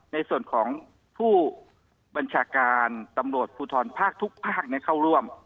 ในส่วนของผู้บัญชาการตำรวจภูทรภาคทุกภาคเข้าร่วม